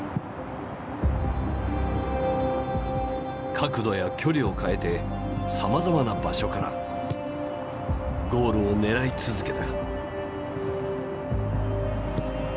角度や距離を変えてさまざまな場所からゴールを狙い続けた。